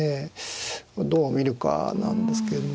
どう見るかなんですけども。